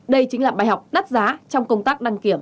đây chính là bài học đắt giá trong công tác đăng kiểm